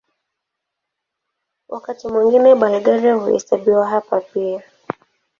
Wakati mwingine Bulgaria huhesabiwa hapa pia.